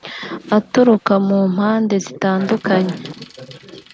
aturuka mu mpande zitandukanye